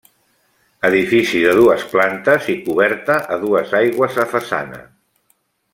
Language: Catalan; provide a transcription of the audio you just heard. Edifici de dues plantes i coberta a dues aigües a façana.